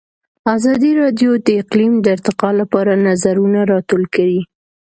ازادي راډیو د اقلیم د ارتقا لپاره نظرونه راټول کړي.